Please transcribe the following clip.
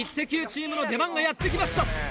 チームの出番がやってきました！